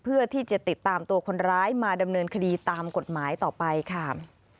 เพื่อที่จะติดตามตัวคนร้ายมาดำเนินคดีตามกฎหมายต่อไปค่ะ